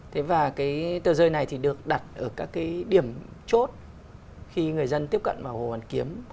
thế và cái tờ rơi này thì được đặt ở các cái điểm chốt khi người dân tiếp cận vào hồ hoàn kiếm